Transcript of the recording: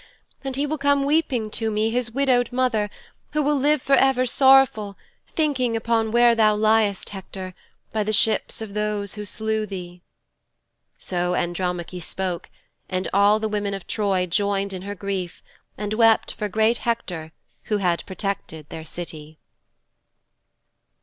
And he will come weeping to me, his widowed mother, who will live forever sorrowful thinking upon where thou liest, Hector, by the ships of those who slew thee."' 'So Andromache spoke and all the women of Troy joined in her grief and wept for great Hector who had protected their city.'